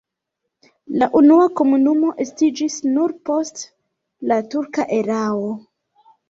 La unua komunumo estiĝis nur post la turka erao.